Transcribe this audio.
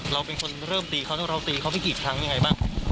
เราเป็นคนเริ่มตีเขาแล้วเราตีเขาไปกี่ครั้งยังไงบ้าง